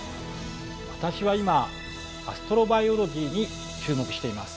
私は今アストロバイオロジーに注目しています。